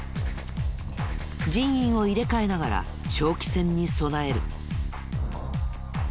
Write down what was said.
人員を入れ替えながら長期戦に備える。